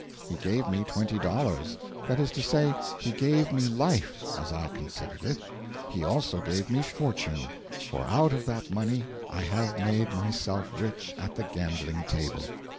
He gave me twenty dollars that is to say, he gave me life, as I considered it. He also gave me fortune; for out of that money I have made myself rich at the gaming table.